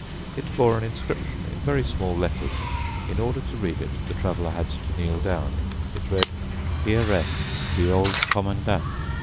It bore an inscription in very small letters. In order to read it the Traveler had to kneel down. It read, "Here rests the Old Commandant.